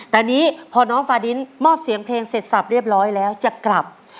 แต่นี้พอน้องฟาดินมอบเสียงเพลงเสร็จสับเรียบร้อยแล้วจะกลับ